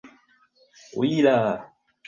Wheeler.